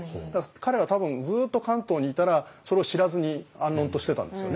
彼は多分ずっと関東にいたらそれを知らずに安穏としてたんですよね。